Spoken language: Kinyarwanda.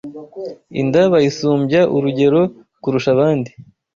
Inda bayisumbya urugero kurusha abandi